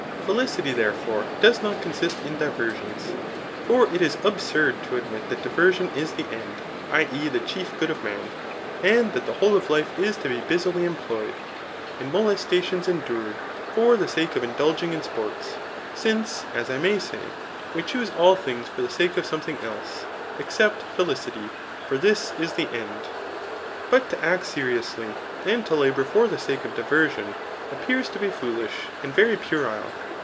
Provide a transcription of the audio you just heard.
Feli city, therefore, does not con^t in diversions. For it is absurd to admit that diversion is the end [1. e. the chief good of man,] said that the whole of life is to be busily Digitized by Google 388 THE NICOMACHfiAN BOOK X^ employed, and molestaticmB endured for the sake of in dulging in sports ; since, as I may say, we choose all things for the sake of somethmg else, except felicity ; for this is the end. But to act seriously, and to labour for the sake of diversion, appears to be foolish and very puerile.